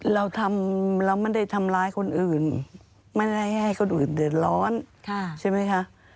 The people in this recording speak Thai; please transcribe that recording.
เราทำเราไม่ได้ทำร้ายคนอื่นไม่ได้ให้คนอื่นเดือดร้อนใช่ไหมคะ